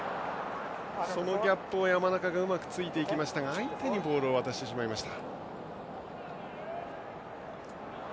そのギャップを山中がうまく突きましたが相手にボールを渡してしまいました。